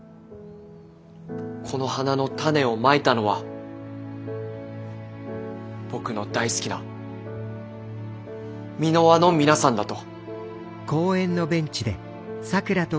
この花の種を撒いたのは僕の大好きな美ノ和の皆さんだと。